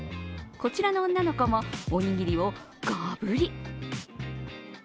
こちらの女の子もおにぎりをがぶり。